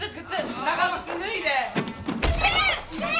長靴脱いで！